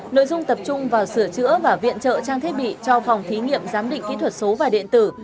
nội dung tập trung vào sửa chữa và viện trợ trang thiết bị cho phòng thí nghiệm giám định kỹ thuật số và điện tử